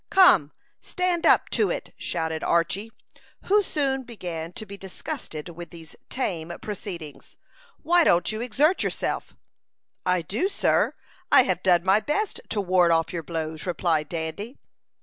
"Come, stand up to it!" shouted Archy, who soon began to be disgusted with these tame proceedings. "Why don't you exert yourself?" "I do, sir; I have done my best to ward off your blows," replied Dandy.